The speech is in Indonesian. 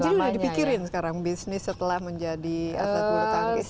jadi udah dipikirin sekarang bisnis setelah menjadi atlet buru tangkis